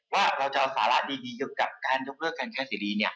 ว่าเราจะเอาสาระดีเกี่ยวกับการยกเลิกการใช้เสรี